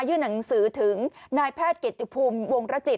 หนังสือถึงนายแพทย์เกียรติภูมิวงรจิต